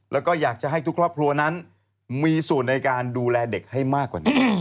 แล้วก็อยากจะให้ทุกครอบครัวนั้นมีส่วนในการดูแลเด็กให้มากกว่านี้